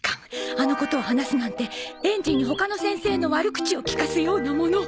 あのことを話すなんて園児にほかの先生の悪口を聞かすようなもの！